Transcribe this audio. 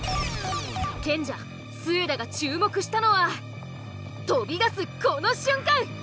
賢者・末田が注目したのは飛び出すこの瞬間！